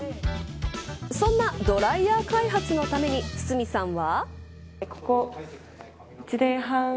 そんなドライヤー開発のために筒泉さんは。